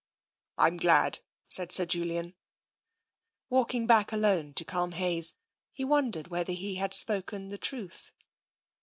" I'm glad," said Sir Julian. Walking back alone to Culmhayes, he wondered whether he had spoken the truth.